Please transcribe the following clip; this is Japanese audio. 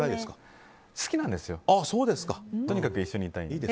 好きなんですよとにかく一緒にいたい。